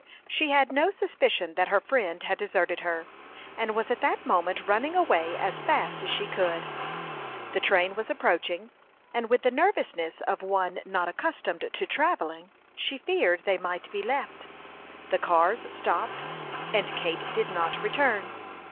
She had no suspicion that her friend had deserted her, and was at that moment running away as fast as she could. The train was approaching, and with the nervousness of one not accustomed to travelling, she feared they might be left. The cars stopped, and Kate did not return.